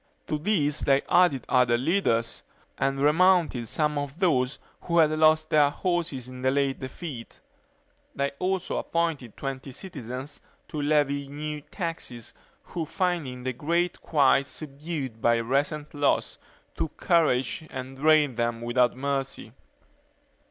To these they added other leaders, and remounted some of those who had lost their horses in the late defeat. They also appointed twenty citizens to levy new taxes, who finding the great quite subdued by the recent loss, took courage and drained them without mercy.